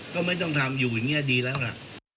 ก็ไม่ต้องทำอยู่อย่างนี้ดีแล้วล่ะ